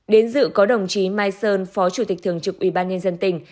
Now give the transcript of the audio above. đến dự có đồng chí mai sơn phó chủ tịch thường trực ubnd tỉnh